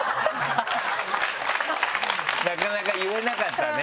なかなか言えなかったね